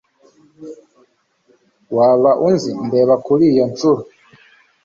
Waba uzi ndeba kuri iyo shusho